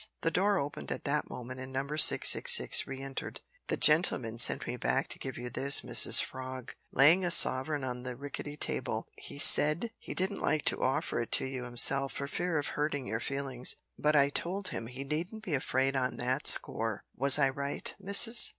The door opened at that moment, and Number 666 re entered. "The gentleman sent me back to give you this, Mrs Frog," laying a sovereign on the rickety table. "He said he didn't like to offer it to you himself for fear of hurting your feelings, but I told him he needn't be afraid on that score! Was I right, Missis?